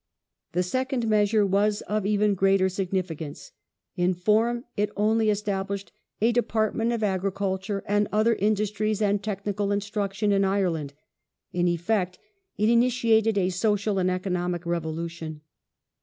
The second measure was of even greater significance. In form it only established "a Department of Agriculture and other Industries and Technical Instruction in Ireland ". In effect, it initiated a social and economic revolution.